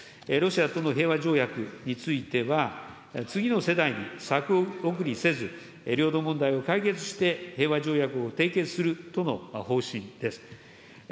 ロシアとの平和条約については、次の世代に先送りせず、領土問題を解決して、平和条約を締結するとの方針です。